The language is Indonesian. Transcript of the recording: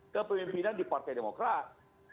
kepemimpinan di partai demokrat